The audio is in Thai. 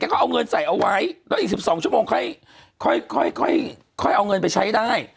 ก็เอาเงินใส่เอาไว้แล้วอีก๑๒ชั่วโมงค่อยเอาเงินไปใช้ได้